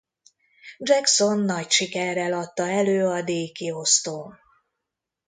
Jackson nagy sikerrel adta elő a díjkiosztón.